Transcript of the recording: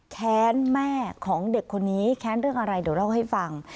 แค้นแม่ของเด็กคนนี้แค้นเรื่องอะไรเดี๋ยวเล่าให้ฟัง